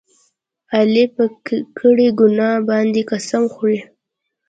علي په کړې ګناه باندې قسم خوري.